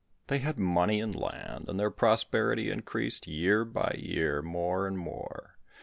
They had money and land, and their prosperity increased year by year more and more.